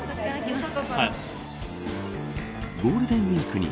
ゴールデンウイークに